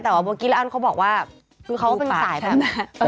แต่เมื่อกี้อารมณ์ก็บอกว่าเขาก็เป็นสายแบบ